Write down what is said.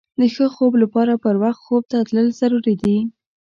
د ښه خوب لپاره پر وخت خوب ته تلل ضروري دي.